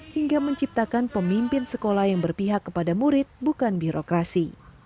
hingga menciptakan pemimpin sekolah yang berpihak kepada murid bukan birokrasi